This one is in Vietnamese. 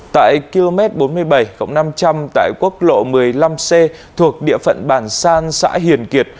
tại km bốn mươi bảy năm trăm linh tại quốc lộ một mươi năm c thuộc địa phận bản san xã hiền kiệt